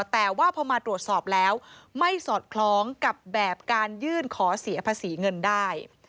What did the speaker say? แต่ว่าพอมาตรวจสอบแล้วไม่สอดคล้องกับแบบการยื่นขอเสียภาษีเงินได้